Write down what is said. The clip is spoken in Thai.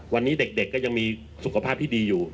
วันนี้เด็กก็ยังมีสุขภาพที่ดีอยู่